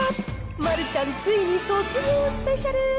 丸ちゃんついに卒業スペシャル。